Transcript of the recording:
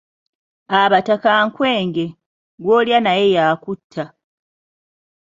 Abataka nkwenge, gw’olya naye yakutta.